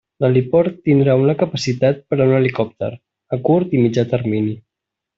L'heliport tindrà una capacitat per a un helicòpter, a curt i mitjà termini.